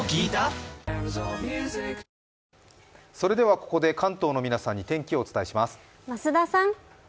ここで関東の皆さんに天気をお伝えします。